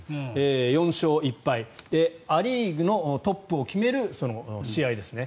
４勝１敗ア・リーグのトップを決める試合ですね。